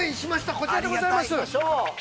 こちらでございます。